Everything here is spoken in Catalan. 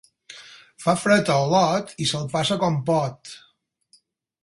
Fa fred a Olot i se'l passa com pot.